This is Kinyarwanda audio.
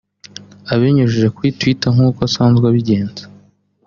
Abinyujije kuri Twitter nk'uko asanzwe abigenza